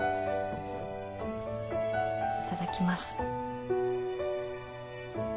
いただきます。